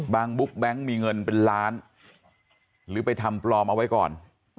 บุ๊กแบงค์มีเงินเป็นล้านหรือไปทำปลอมเอาไว้ก่อน